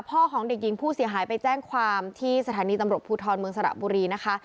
ของเด็กหญิงผู้เสียหายไปแจ้งความที่สถานีตำรวจภูทรเมืองสระบุรีนะคะ